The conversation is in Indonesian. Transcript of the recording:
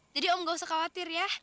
jadi om nggak usah khawatir ya